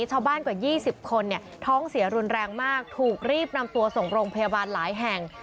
กว่า๒๐คนเนี่ยท้องเสียรุนแรงมากถูกรีบนำตัวส่งโรงพยาบาลหลายแห่ง